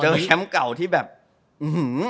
แชมป์เก่าที่แบบอื้อหือ